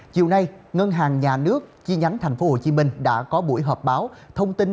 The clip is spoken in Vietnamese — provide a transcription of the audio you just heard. chiều nay ngân hàng nhà nước chi nhánh tp hcm đã có buổi họp báo thông tin